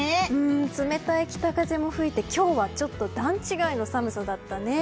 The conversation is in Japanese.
冷たい北風も吹いて今日はちょっと段違いの寒さだったね。